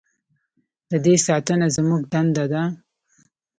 د دې ساتنه زموږ دنده ده؟